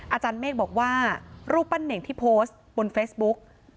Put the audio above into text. อาจารย์เมฆบอกว่ารูปปั้นเน่งที่โพสต์บนเฟซบุ๊ก